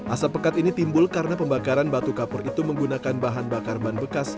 asap pekat ini timbul karena pembakaran batu kapur itu menggunakan bahan bakar ban bekas